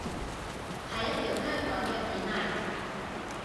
係一條香港嘅片嚟